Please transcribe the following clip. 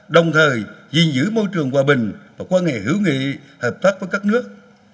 đồng thời giữ môi trường hòa bình và quan hệ hữu nghị hợp tác với các nước